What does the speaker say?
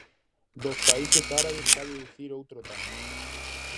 Dos países árabes, cabe dicir outro tanto.